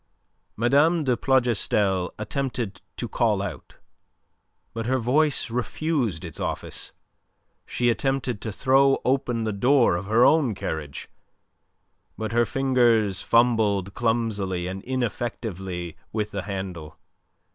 Mme. de Plougastel attempted to call out, but her voice refused its office. She attempted to throw open the door of her own carriage; but her fingers fumbled clumsily and ineffectively with the handle.